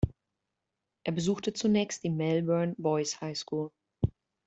Er besuchte zunächst die Melbourne Boys Highschool.